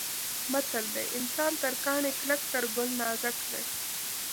متل دی: انسان تر کاڼي کلک تر ګل نازک دی.